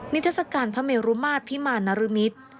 ทัศกาลพระเมรุมาตรพิมารนรมิตร